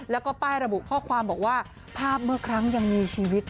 แล้วก็ป้ายระบุข้อความบอกว่าภาพเมื่อครั้งยังมีชีวิต